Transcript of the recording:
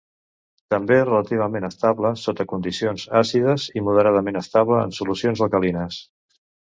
També relativament estable sota condicions àcides i moderadament estable en solucions alcalines.